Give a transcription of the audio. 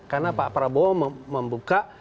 karena pak prabowo membuka